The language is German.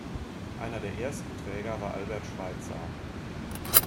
Einer der ersten Träger war Albert Schweitzer.